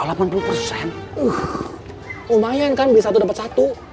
uh lumayan kan beli satu dapat satu